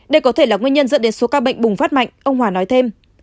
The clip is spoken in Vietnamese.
đây có thể là nguyên nhân dẫn đến số ca bệnh bùng phát mạnh ông hòa nói thêm